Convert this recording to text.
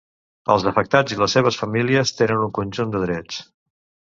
Els afectats i les seves famílies tenen un conjunt de drets.